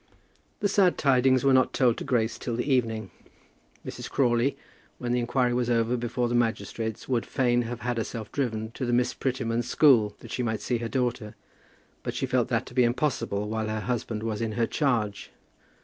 The sad tidings were not told to Grace till the evening. Mrs. Crawley, when the inquiry was over before the magistrates, would fain have had herself driven to the Miss Prettymans' school, that she might see her daughter; but she felt that to be impossible while her husband was in her charge.